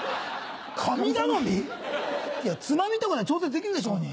神頼み⁉いやつまみとかで調節できるでしょうに。